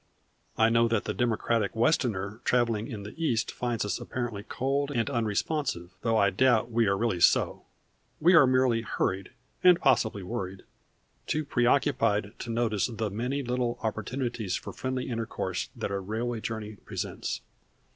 I know that the democratic Westerner traveling in the East finds us apparently cold and unresponsive; though I doubt we are really so. We are merely hurried, and possibly worried; too preoccupied to notice the many little opportunities for friendly intercourse that a railway journey presents.